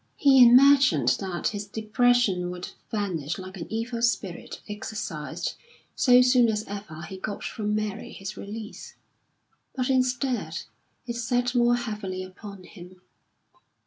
He imagined that his depression would vanish like an evil spirit exorcised so soon as ever he got from Mary his release; but instead it sat more heavily upon him.